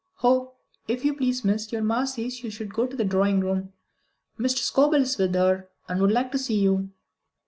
"Oh, if you please, miss, your ma says would you go to the drawing room? Mr. Scobel is with her, and would like to see you."